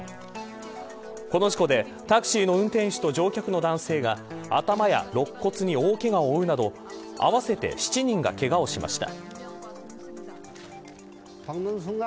この事故で、タクシーの運転手と乗客の男性が頭や肋骨に大けがを負うなど合わせて７人がけがをしました。